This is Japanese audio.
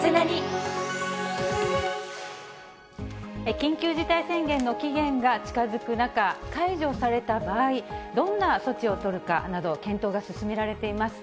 緊急事態宣言の期限が近づく中、解除された場合、どんな措置を取るかなど、検討が進められています。